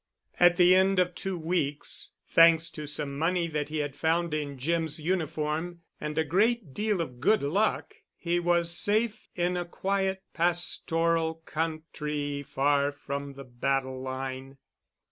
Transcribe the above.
At the end of two weeks, thanks to some money that he had found in Jim's uniform—and a great deal of good luck—he was safe in a quiet pastoral country far from the battle line.